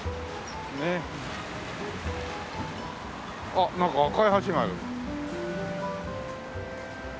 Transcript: あっなんか赤い橋がある。